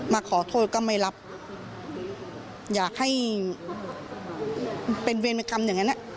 มาขอโทษก็ไม่รับอยากให้เป็นเวรกรรมอย่างนั้น